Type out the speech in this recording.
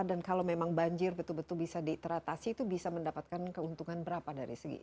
dan kalau memang banjir betul betul bisa di teratasi itu bisa mendapatkan keuntungan berapa dari segi